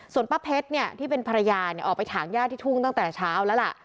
ส่วนป้าเพชรเนี่ยที่เป็นภรรยาเนี่ยออกไปถางย่าที่ทุ่งตั้งแต่เช้าแล้วล่ะ